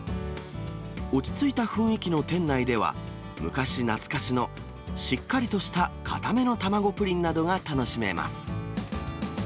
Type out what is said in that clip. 落ち着いた雰囲気の店内では、昔懐かしのしっかりとした硬めの卵プリンなどが楽しめます。